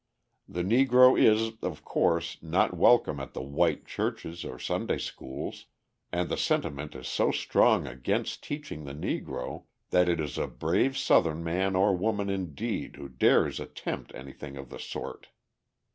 The Negro is, of course, not welcome at the white churches or Sunday schools, and the sentiment is so strong against teaching the Negro that it is a brave Southern man or woman, indeed, who dares attempt anything of the sort.